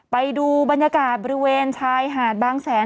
ไปดูบรรยากาศบริเวณชายหาดบางแสน